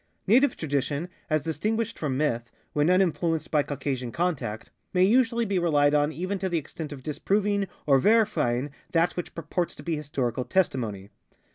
Native tradition, as distinguished from myth, when uninflu enced by Caucasian contact, may usually be relied on even to the extent of disproving or verifying that which purports to be historical testimony.